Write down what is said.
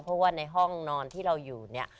เพราะว่าในห้องนอนที่เราอยู่เนี่ย